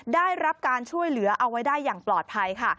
ได้รับการช่วยเหลือเอาไว้ได้อย่างปลอดภัยค่ะ